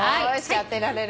当てられる！